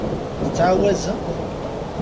Tettɛawazemt?